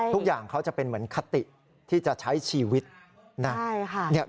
ทุกอย่างเขาจะเป็นเหมือนคติที่จะใช้ชีวิตนะ